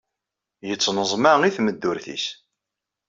Yettneẓma i tmeddurt-is.